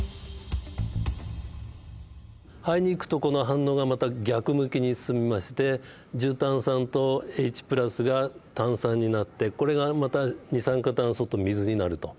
肺に行くとこの反応がまた逆向きに進みまして重炭酸とＨが炭酸になってこれがまた二酸化炭素と水になると。